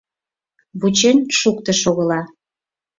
Вучен шуктышт огыла.